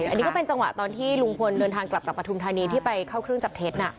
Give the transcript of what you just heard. อันนี้ก็เป็นจังหวะตอนที่ลุงพลเดินทางกลับจากปฐุมธานีที่ไปเข้าเครื่องจับเท็จ